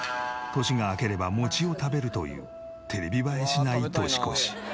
年が明ければ餅を食べるというテレビ映えしない年越し。